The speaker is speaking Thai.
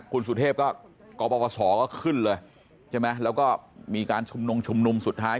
คุณสุเทพก็กปศก็ขึ้นเลยใช่ไหมแล้วก็มีการชุมนุมชุมนุมสุดท้าย